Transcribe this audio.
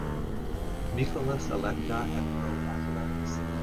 Mykolas Alekna at World Athletics